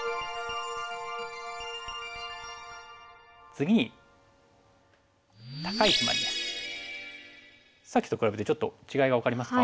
次にさっきと比べてちょっと違いが分かりますか？